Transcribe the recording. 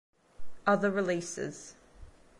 Other releases